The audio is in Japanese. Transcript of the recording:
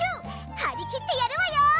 はり切ってやるわよ